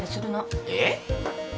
えっ？